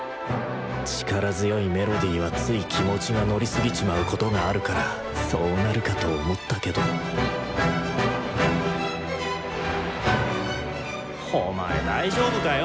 力強いメロディーはつい気持ちが乗りすぎちまうことがあるからそうなるかと思ったけどお前大丈夫かよ？